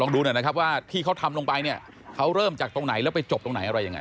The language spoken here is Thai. ดูหน่อยนะครับว่าที่เขาทำลงไปเนี่ยเขาเริ่มจากตรงไหนแล้วไปจบตรงไหนอะไรยังไง